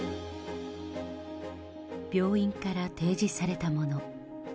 病院から提示されたもの。